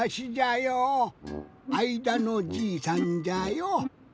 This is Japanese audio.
あいだのじいさんじゃよ。